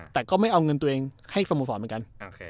แต่ก็ไม่เอาเงินตัวเองให้สโมสรเหมือนกัน